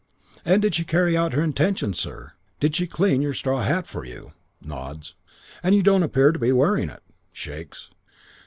"'And did she carry out her intention, sir? Did she clean your straw hat for you?' "Nods. "'You don't appear to be wearing it?' "Shakes.